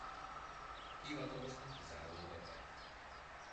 Hivatalosnak kizárólag a Vet.